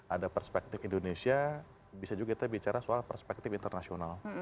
ada perspektif indonesia bisa juga kita bicara soal perspektif internasional